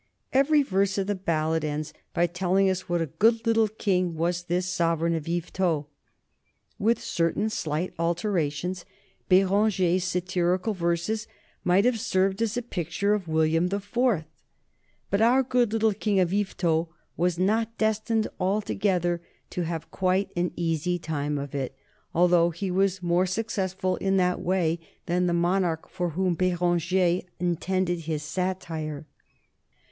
Every verse of the ballad ends by telling us what a good little king was this sovereign of Yvetot. With certain slight alterations Béranger's satirical verses might have served as a picture of William the Fourth. But our good little King of Yvetot was not destined altogether to have quite an easy time of it, although he was more successful in that way than the monarch for whom Béranger intended his satire.